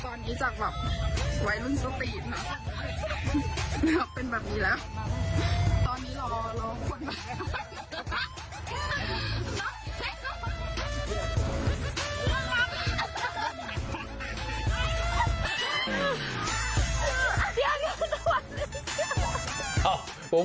ตอนนี้จากแบบวัยรุ่นสปีดแล้วเป็นแบบนี้แล้วตอนนี้รอร้องคนมาแล้ว